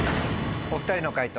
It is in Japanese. お２人の解答